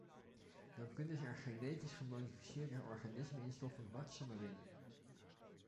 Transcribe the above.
Dan kunnen ze er genetisch gemodificeerde organismen in stoppen, wat ze maar willen.